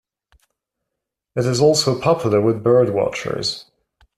It is also popular with bird watchers.